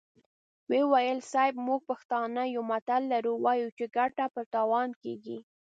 ويې ويل: صيب! موږ پښتانه يو متل لرو، وايو چې ګټه په تاوان کېږي.